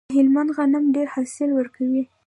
د هلمند غنم ډیر حاصل ورکوي.